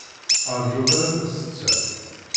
Rjut alamma d ssetta.